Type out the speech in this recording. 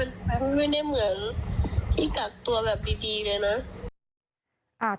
มันไม่ได้เหมือนที่กักตัวแบบดีเลยนะ